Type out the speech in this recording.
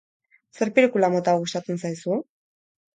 Zer pelikula mota gustatzen zaizu?